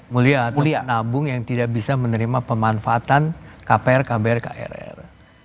mulia atau penabung yang tidak bisa menerima pemanfaatan kpr kbr krr